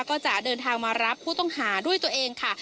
ก็จะเดินทางมารับผู้ต้องหาด้วยตัวเองค่ะ